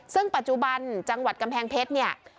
ซึ่งปัจจุบันจังหวัดกำแพงเพชรเนี่ย